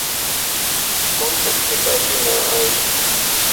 کل مل کے کافی ناں آئے۔